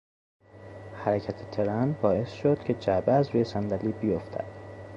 حرکت ترن باعث شد که جعبه از روی صندلی بیافتد.